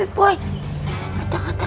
kenapa kamu begitu